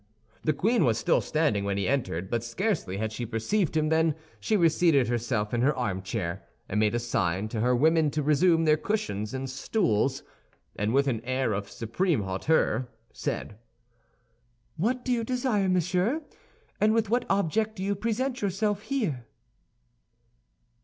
The queen was still standing when he entered; but scarcely had she perceived him then she reseated herself in her armchair, and made a sign to her women to resume their cushions and stools, and with an air of supreme hauteur, said, "What do you desire, monsieur, and with what object do you present yourself here?"